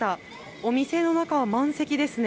お店の中は満席ですね。